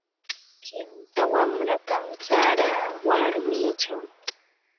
Kimsa wanratam charaa warmichaw.